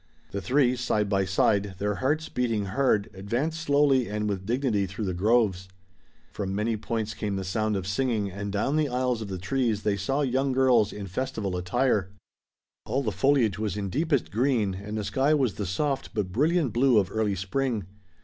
The three, side by side, their hearts beating hard, advanced slowly and with dignity through the groves. From many points came the sound of singing and down the aisles of the trees they saw young girls in festival attire. All the foliage was in deepest green and the sky was the soft but brilliant blue of early spring.